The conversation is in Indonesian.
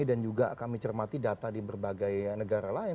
dan juga kami cermati data di berbagai negara lain